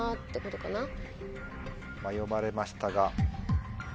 迷われましたが。